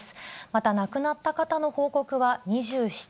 また亡くなった方の報告は２７人。